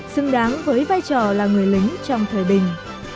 xứng đáng với vai trò là người lính trong thời bình